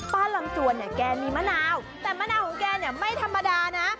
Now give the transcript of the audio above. ลำจวนเนี่ยแกมีมะนาวแต่มะนาวของแกเนี่ยไม่ธรรมดานะ